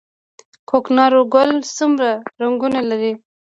کوکنارو ګل څومره رنګونه لري؟